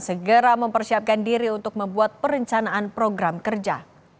segera mempersiapkan diri untuk membuat perencanaan program kerja